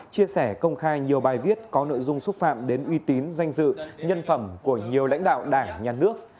chia sẻ công khai nhiều bài viết có nội dung xúc phạm đến uy tín danh dự nhân phẩm của nhiều lãnh đạo đảng nhà nước